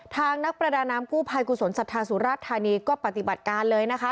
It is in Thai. นักประดาน้ำกู้ภัยกุศลศรัทธาสุราชธานีก็ปฏิบัติการเลยนะคะ